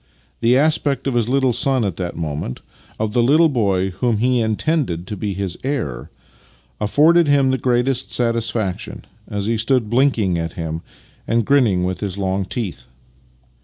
The aspect of his little son at that moment — of the little boy whom he intended to be his heir — afforded him the greatest satisfaction as he stood bhnking at him and grinning with his long teeth.